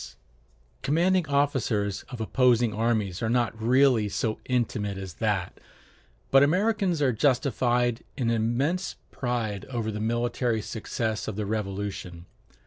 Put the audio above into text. [Illustration: THE BUNKER HILL MONUMENT] Commanding officers of opposing armies are not really so intimate as that; but Americans are justified in immense pride over the military success of the Revolution.